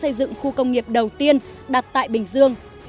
hợp tác xây dựng khu công nghiệp đầu tiên đặt tại bình dương